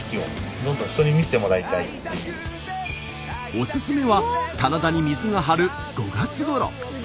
オススメは棚田に水が張る５月ごろ。